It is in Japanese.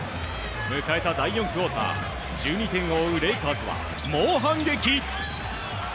迎えた第４クオーター１２点を追うレイカーズは猛反撃！